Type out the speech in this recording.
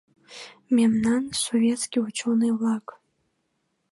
Мемнан, советский ученый-влак!»